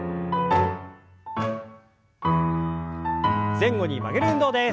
前後に曲げる運動です。